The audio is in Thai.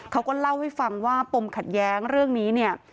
เขาก็เล่าให้ฟังว่าปมขัดแย้งเรื่องนี้เนี่ย